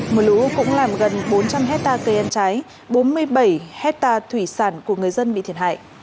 mưa lũ cũng làm gần bốn trăm linh hectare cây ăn trái bốn mươi bảy hectare thủy sản của người dân bị thiệt hại